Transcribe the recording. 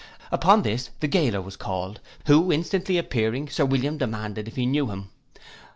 Upon this the gaoler was called, who instantly appearing, Sir William demanded if he knew him.